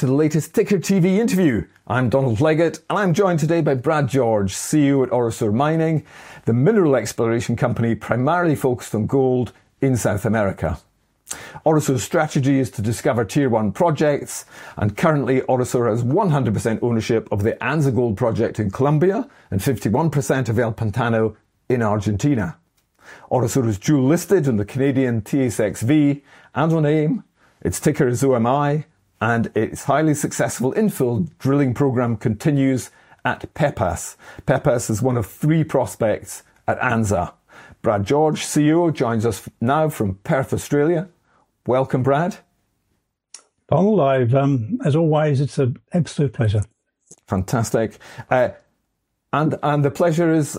To the latest Ticker TV interview. I'm Donald Leggatt, and I'm joined today by Brad George, CEO at Orosur Mining, the mineral exploration company primarily focused on gold in South America. Orosur's strategy is to discover tier one projects, and currently, Orosur has 100% ownership of the Anzá Gold Project in Colombia and 51% of El Pantano in Argentina. Orosur is dual listed on the Canadian TSXV and on AIM. Its ticker is OMI, and its highly successful infill drilling program continues at Pepas. Pepas is one of three prospects at Anzá. Brad George, CEO, joins us now from Perth, Australia. Welcome, Brad. Donald Leggett. As always, it's an absolute pleasure. Fantastic. The pleasure is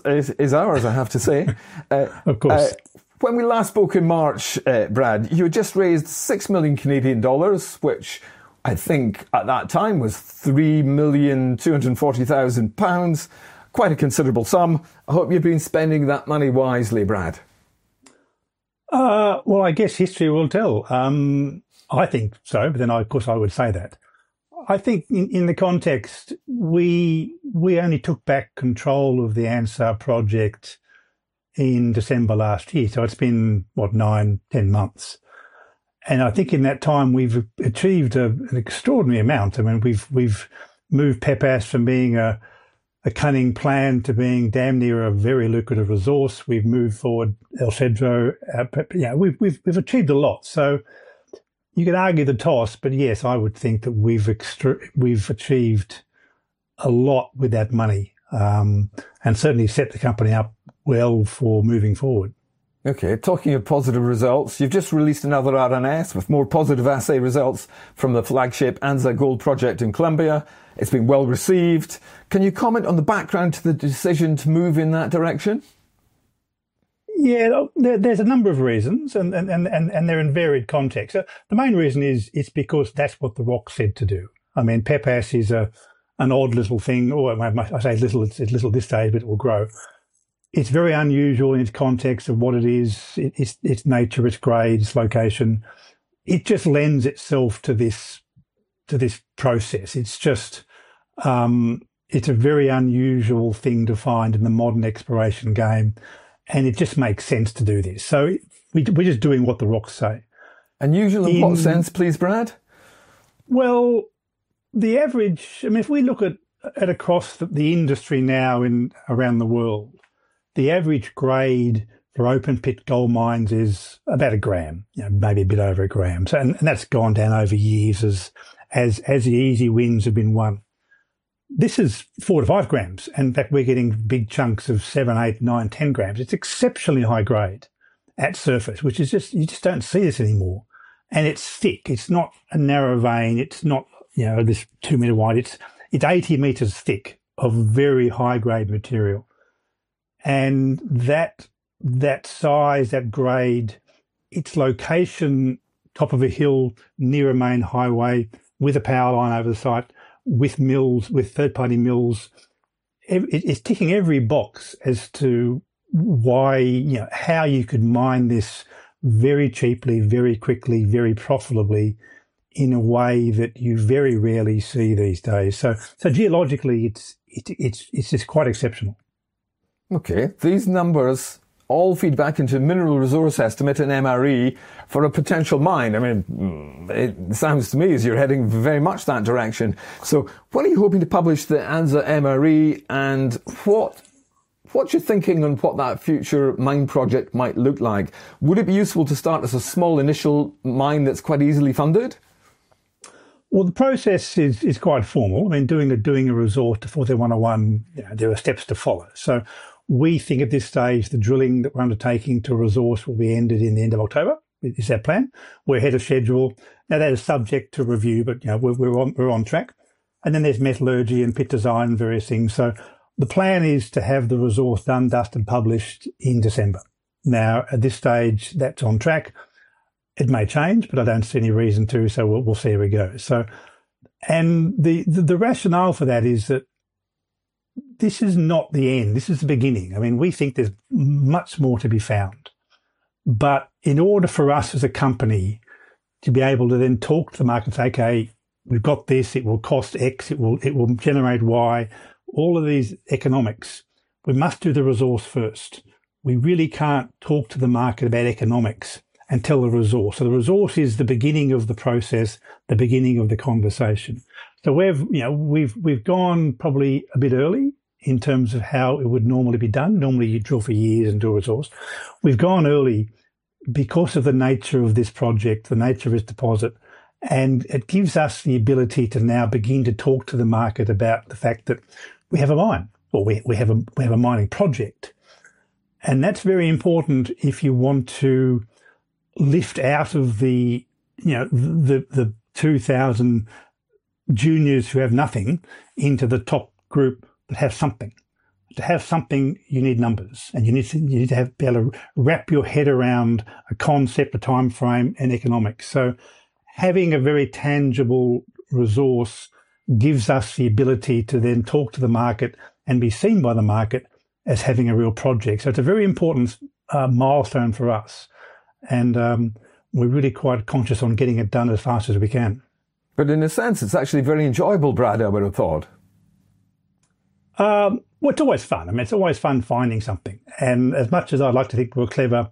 ours, I have to say. Of course. When we last spoke in March, Brad, you had just raised 6 million Canadian dollars, which I think at that time was 3.24 million. Quite a considerable sum. I hope you've been spending that money wisely, Brad. Well, I guess history will tell. I think so, but then, of course, I would say that. I think in the context, we only took back control of the Anzá Project in December last year, so it's been, what? Nine, 10 months. I think in that time, we've achieved an extraordinary amount. I mean, we've moved Pepas from being a cunning plan to being damn near a very lucrative resource. We've moved forward El Cedro. Yeah, we've achieved a lot. You could argue the toss, but yes, I would think that we've achieved a lot with that money. And certainly set the company up well for moving forward. Okay. Talking of positive results, you've just released another RNS with more positive assay results from the flagship Anzá Gold Project in Colombia. It's been well-received. Can you comment on the background to the decision to move in that direction? Yeah. There's a number of reasons, and they're in varied context. The main reason is it's because that's what the rock said to do. I mean, Pepas is an odd little thing, or I say little, it's little at this stage, but it will grow. It's very unusual in its context of what it is, its nature, its grades, location. It just lends itself to this process. It's just, it's a very unusual thing to find in the modern exploration game, and it just makes sense to do this. We're just doing what the rocks say. Unusual in what sense, please, Brad? Well, the average. I mean, if we look at across the industry now around the world, the average grade for open pit gold mines is about a gram, you know, maybe a bit over a gram. That's gone down over years as the easy wins have been won. This is 4-5 grams, and in fact, we're getting big chunks of 7, 8, 9, 10 grams. It's exceptionally high grade at surface, which is just, you just don't see this anymore. It's thick. It's not a narrow vein. It's not, you know, this 2-meter wide. It's 80 meters thick of very high-grade material. That size, that grade, its location, top of a hill, near a main highway with a power line over the site, with mills, with third-party mills. It's ticking every box as to why, you know, how you could mine this very cheaply, very quickly, very profitably in a way that you very rarely see these days. Geologically, it's just quite exceptional. Okay. These numbers all feed back into mineral resource estimate and MRE for a potential mine. I mean, it sounds to me as you're heading very much that direction. When are you hoping to publish the Anzá MRE, and what's your thinking on what that future mine project might look like? Would it be useful to start as a small initial mine that's quite easily funded? Well, the process is quite formal. I mean, doing a resource NI 43-101, you know, there are steps to follow. We think at this stage, the drilling that we're undertaking to resource will be ended in the end of October, is our plan. We're ahead of schedule. Now, that is subject to review, but you know, we're on track. Then there's metallurgy and pit design, various things. The plan is to have the resource done, dusted, and published in December. Now, at this stage, that's on track. It may change, but I don't see any reason to, so we'll see where we go. The rationale for that is that this is not the end. This is the beginning. I mean, we think there's much more to be found. In order for us as a company to be able to then talk to the market and say, "Okay, we've got this. It will cost X, it will generate Y," all of these economics, we must do the resource first. We really can't talk to the market about economics until the resource. The resource is the beginning of the process, the beginning of the conversation. We've, you know, gone probably a bit early in terms of how it would normally be done. Normally, you drill for years and do a resource. We've gone early because of the nature of this project, the nature of its deposit, and it gives us the ability to now begin to talk to the market about the fact that we have a mine or we have a mining project. That's very important if you want to lift out of the, you know, the 2,000 juniors who have nothing into the top group that have something. To have something, you need numbers, and you need to be able to wrap your head around a concept, a timeframe, and economics. Having a very tangible resource gives us the ability to then talk to the market and be seen by the market as having a real project. It's a very important milestone for us, and we're really quite conscious on getting it done as fast as we can. In a sense, it's actually very enjoyable, Brad, I would've thought. Well, it's always fun. I mean, it's always fun finding something. As much as I'd like to think we're clever,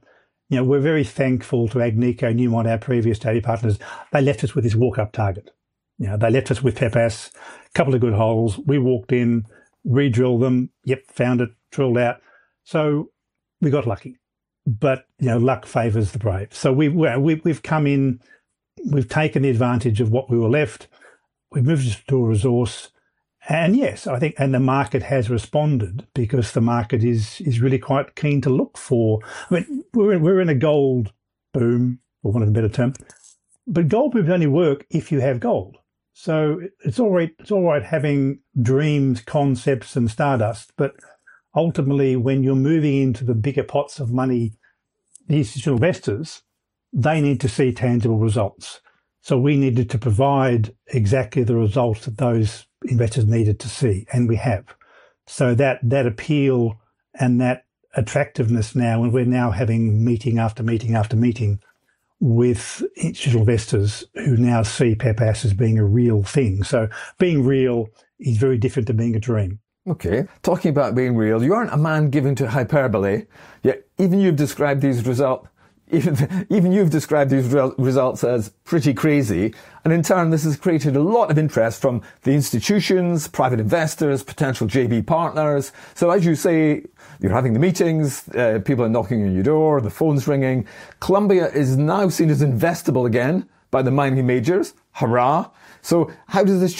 you know, we're very thankful to Agnico Eagle, our previous JV partners. They left us with this walk-up target. You know, they left us with Pepas, couple of good holes. We walked in, re-drilled them. Yep, found it, drilled out. We got lucky. You know, luck favors the brave. We've come in, we've taken advantage of what we were left. We've moved it to a resource, and yes, I think. The market has responded because the market is really quite keen to look for. I mean, we're in a gold boom, for want of a better term, but gold booms only work if you have gold. It's all right, it's all right having dreams, concepts and stardust, but ultimately, when you're moving into the bigger pots of money, the institutional investors, they need to see tangible results. We needed to provide exactly the results that those investors needed to see, and we have. That appeal and that attractiveness now, and we're now having meeting after meeting after meeting with institutional investors who now see Pepas as being a real thing. Being real is very different to being a dream. Okay. Talking about being real, you aren't a man given to hyperbole, yet even you've described these results as pretty crazy, and in turn this has created a lot of interest from the institutions, private investors, potential JV partners. As you say, you're having the meetings, people are knocking on your door, the phone's ringing. Colombia is now seen as investable again by the mining majors. Hurrah. How does it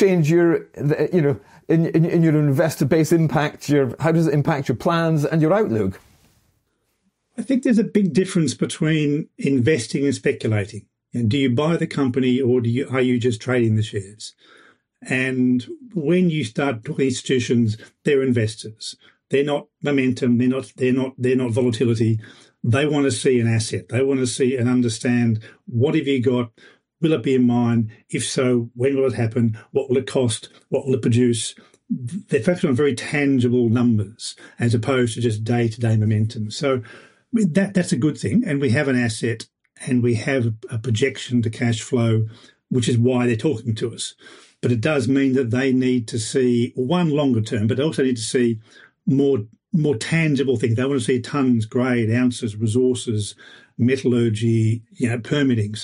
impact your plans and your outlook? I think there's a big difference between investing and speculating. Do you buy the company or do you, are you just trading the shares? When you start talking to institutions, they're investors. They're not momentum, they're not volatility. They wanna see an asset. They wanna see and understand what have you got? Will it be a mine? If so, when will it happen? What will it cost? What will it produce? They're focused on very tangible numbers as opposed to just day-to-day momentum. That's a good thing, and we have an asset and we have a projection to cash flow, which is why they're talking to us. It does mean that they need to see one, longer term, but they also need to see more tangible things. They wanna see tons, grade, ounces, resources, metallurgy, you know, permitting.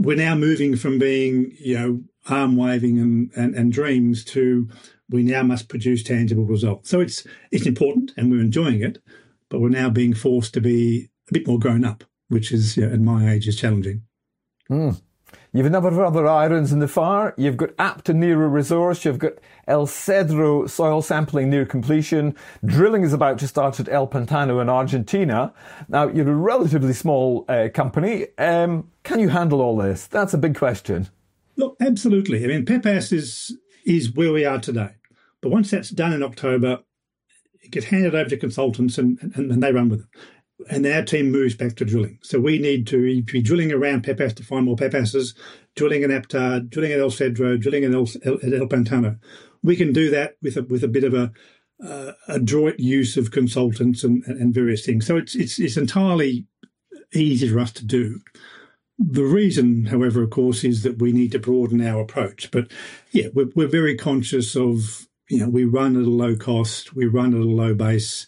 We're now moving from being, you know, arm waving and dreams to we now must produce tangible results. It's important and we're enjoying it, but we're now being forced to be a bit more grown up, which is, you know, at my age is challenging. You have a number of other irons in the fire. You've got APTA near a resource. You've got El Cedro soil sampling near completion. Drilling is about to start at El Pantano in Argentina. Now, you're a relatively small company. Can you handle all this? That's a big question. Look, absolutely. I mean, Pepas is where we are today. Once that's done in October, it gets handed over to consultants and they run with it, and our team moves back to drilling. We need to be drilling around Pepas to find more Pepas, drilling in Apta, drilling in El Cedro, drilling in El Pantano. We can do that with a bit of a joint use of consultants and various things. It's entirely easy for us to do. The reason, however, of course, is that we need to broaden our approach. Yeah, we're very conscious of, you know, we run at a low cost, we run at a low base.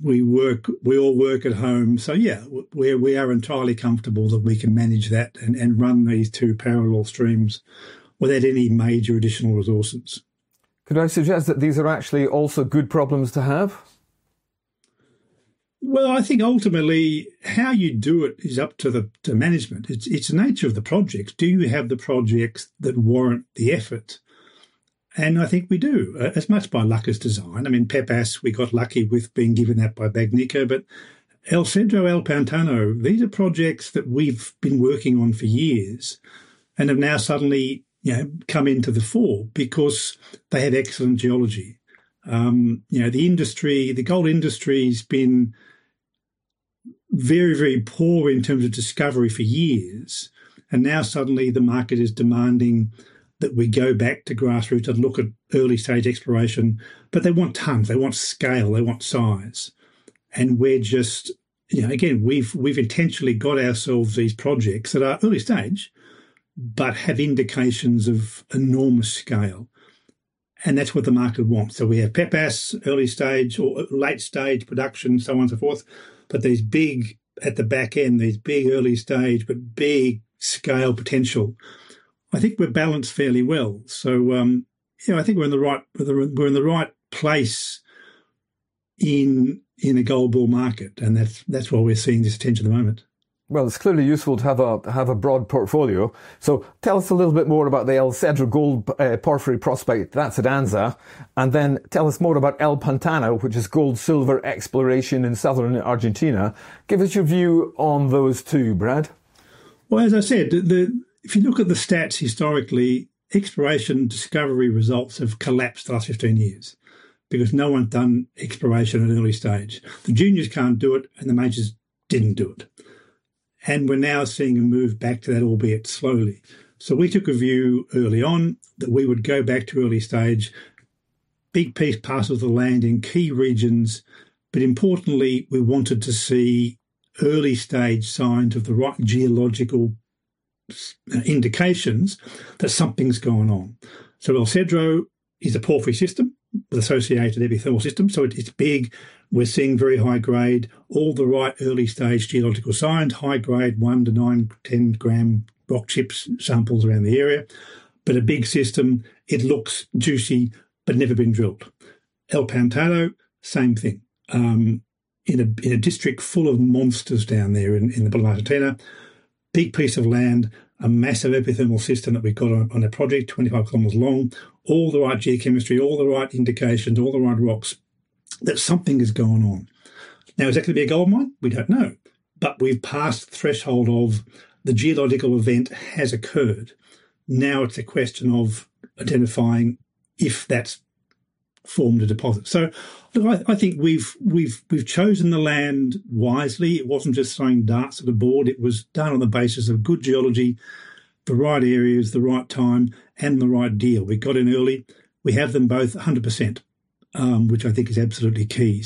We all work at home. Yeah, we are entirely comfortable that we can manage that and run these two parallel streams without any major additional resources. Could I suggest that these are actually also good problems to have? Well, I think ultimately how you do it is up to management. It's the nature of the projects. Do you have the projects that warrant the effort? I think we do, as much by luck as design. I mean, Pepas, we got lucky with being given that by Agnico. El Cedro, El Pantano, these are projects that we've been working on for years and have now suddenly, you know, come to the fore because they had excellent geology. You know, the industry, the gold industry's been very, very poor in terms of discovery for years, and now suddenly the market is demanding that we go back to grassroots and look at early stage exploration. They want tons, they want scale, they want size. We're just. You know, again, we've intentionally got ourselves these projects that are early stage but have indications of enormous scale, and that's what the market wants. We have Pepas early stage or late stage production, so on and so forth, but these big, at the back end, these big early stage but big scale potential. I think we're balanced fairly well. You know, I think we're in the right place in a gold bull market, and that's why we're seeing this attention at the moment. Well, it's clearly useful to have a broad portfolio. Tell us a little bit more about the El Cedro gold porphyry prospect, that's at Anzá. Then tell us more about El Pantano, which is gold silver exploration in southern Argentina. Give us your view on those two, Brad. Well, as I said, if you look at the stats historically, exploration discovery results have collapsed the last 15 years because no one's done exploration at an early stage. The juniors can't do it, and the majors didn't do it. We're now seeing a move back to that, albeit slowly. We took a view early on that we would go back to early stage, big piece, parcels of land in key regions, but importantly, we wanted to see early stage signs of the right geological indications that something's going on. El Cedro is a porphyry system with associated epithermal system, it's big. We're seeing very high grade, all the right early stage geological signs, high grade, 1 to 9, 10-gram rock chips samples around the area. But a big system, it looks juicy, but never been drilled. El Pantano, same thing. In a district full of monsters down there in the bottom of Argentina. Big piece of land, a massive epithermal system that we've got on a project, 25 km long. All the right geochemistry, all the right indications, all the right rocks that something is going on. Now, is that gonna be a gold mine? We don't know. We've passed the threshold of the geological event has occurred. Now it's a question of identifying if that's formed a deposit. Look, I think we've chosen the land wisely. It wasn't just throwing darts at a board. It was done on the basis of good geology, the right areas, the right time, and the right deal. We got in early. We have them both 100%, which I think is absolutely key.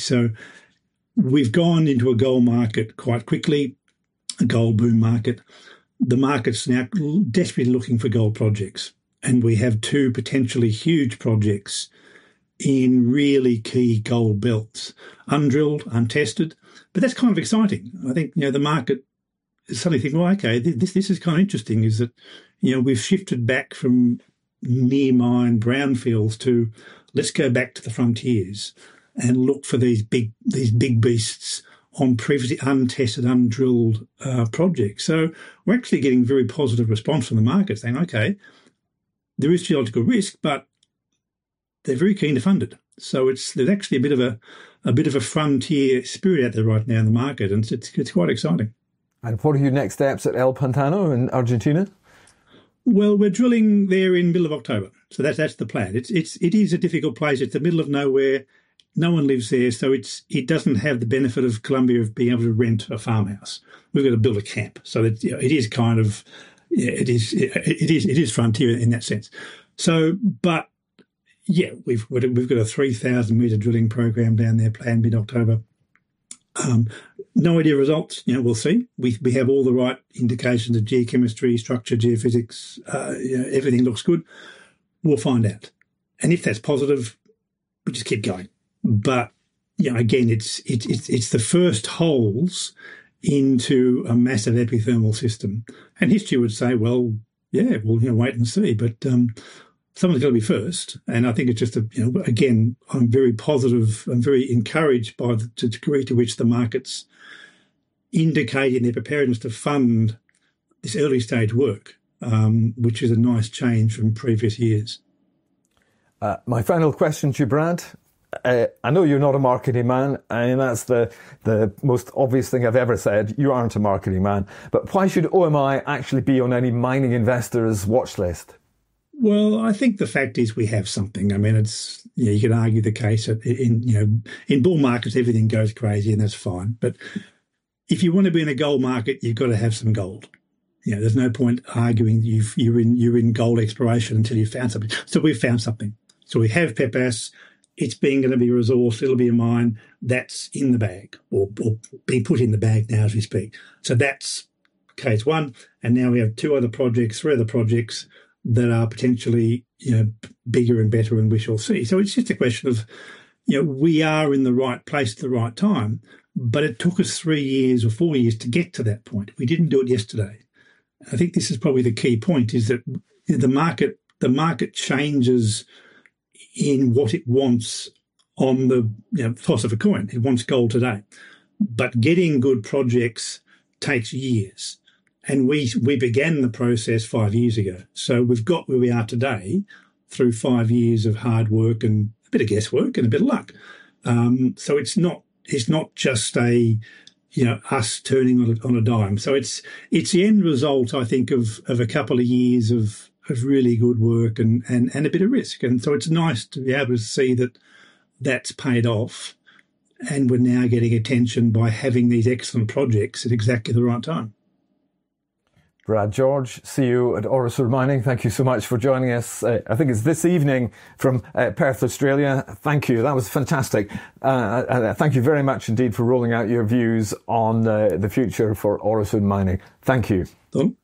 We've gone into a gold market quite quickly, a gold boom market. The market's now desperately looking for gold projects, and we have two potentially huge projects in really key gold belts, undrilled, untested, but that's kind of exciting. I think, you know, the market is suddenly thinking, "Well, okay. This is kind of interesting," you know, we've shifted back from near mine brownfields to let's go back to the frontiers and look for these big beasts on previously untested, undrilled projects. We're actually getting very positive response from the market saying, "Okay. There is geological risk," but they're very keen to fund it. There's actually a bit of a frontier spirit out there right now in the market, and it's quite exciting. What are your next steps at El Pantano in Argentina? Well, we're drilling there in middle of October, so that's the plan. It's a difficult place. It's the middle of nowhere. No one lives there, so it doesn't have the benefit of Colombia of being able to rent a farmhouse. We've got to build a camp. It is kind of frontier in that sense. Yeah, we've got a 3,000-meter drilling program down there planned mid-October. No idea results. You know, we'll see. We have all the right indications of geochemistry, structure, geophysics. You know, everything looks good. We'll find out. If that's positive, we just keep going. You know, again, it's the first holes into a massive epithermal system. History would say, "Well, yeah. Well, you know, wait and see. Someone's got to be first, and I think it's just a, you know, again, I'm very positive and very encouraged by the degree to which the market's indicating their preparedness to fund this early stage work, which is a nice change from previous years. My final question to you, Brad. I know you're not a marketing man, and that's the most obvious thing I've ever said. You aren't a marketing man. Why should OMI actually be on any mining investor's watchlist? I think the fact is we have something. I mean, it's you know, you could argue the case in, you know, in bull markets everything goes crazy, and that's fine. If you want to be in the gold market, you've got to have some gold. You know, there's no point arguing you're in gold exploration until you've found something. We've found something. We have Pepas. It's gonna be a resource. It'll be a mine. That's in the bag or being put in the bag now as we speak. That's case one, and now we have two other projects, three other projects that are potentially, you know, bigger and better, and we shall see. It's just a question of, you know, we are in the right place at the right time. It took us 3 years or 4 years to get to that point. We didn't do it yesterday. I think this is probably the key point, is that the market changes in what it wants on the, you know, toss of a coin. It wants gold today. Getting good projects takes years, and we began the process 5 years ago. We've got where we are today through 5 years of hard work, and a bit of guesswork, and a bit of luck. It's not just a, you know, us turning on a dime. It's the end result, I think, of a couple of years of really good work and a bit of risk. It's nice to be able to see that that's paid off and we're now getting attention by having these excellent projects at exactly the right time. Brad George, CEO at Orosur Mining. Thank you so much for joining us. I think it's this evening from Perth, Australia. Thank you. That was fantastic. Thank you very much indeed for rolling out your views on the future for Orosur Mining. Thank you. Pleasure.